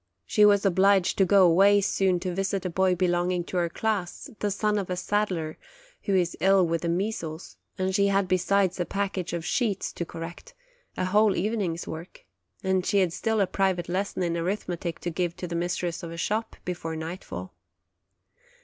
She was obliged to go away soon to visit a boy belonging to her class, the son of a saddler, who is ill with the measles; and she had besides a package of sheets to correct, a whole evening's work; and she had still a private lesson in arithmetic to give to the mistress of a shop before nightfall.